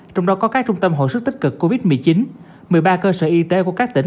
trong đó có các trung tâm hội sức tích cực covid một mươi chín một mươi ba cơ sở y tế của các tỉnh